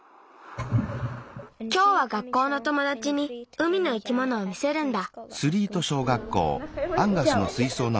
きょうは学校のともだちに海の生き物を見せるんだ。